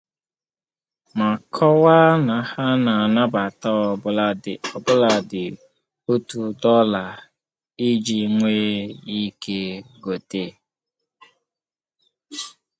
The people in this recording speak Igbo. ma kọwaa na ha na-anabata ọbụladị otu dọla iji nwee ike gote